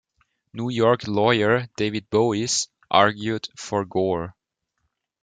New York lawyer David Boies argued for Gore.